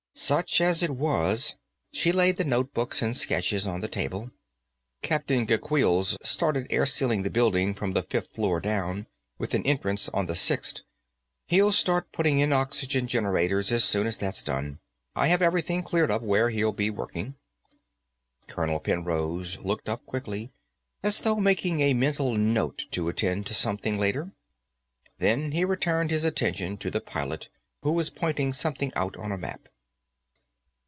"Such as it was." She laid the notebooks and sketches on the table. "Captain Gicquel's started airsealing the building from the fifth floor down, with an entrance on the sixth; he'll start putting in oxygen generators as soon as that's done. I have everything cleared up where he'll be working." Colonel Penrose looked up quickly, as though making a mental note to attend to something later. Then he returned his attention to the pilot, who was pointing something out on a map.